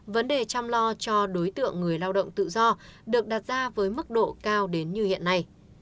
vấn đề chăm lo cho đối tượng người lao động tự do được đặt ra với mức độ cao đến như hiện nay